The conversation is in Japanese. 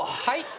はい？